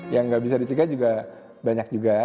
yang nggak bisa dicegah juga banyak juga